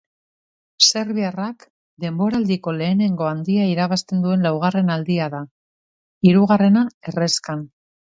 Serbiarrak denboraldiko lehenengo handia irabazten duen laugarren aldia da, hirugarrena erreskan.